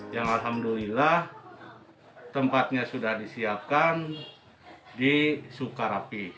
yang alhamdulillah tempatnya sudah disiapkan di sukarapi